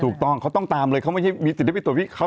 ถูกต้องเขาต้องตามเลยเขาไม่ใช่มีสิทธิ์ได้ไปตรวจพี่เขา